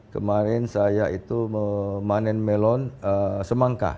kemarin saya itu memanen melon semangka